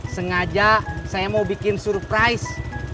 sengaja saya mau bikin surprise